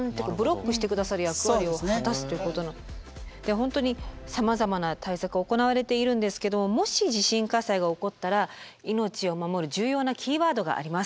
本当にさまざまな対策行われているんですけどもし地震火災が起こったら命を守る重要なキーワードがあります。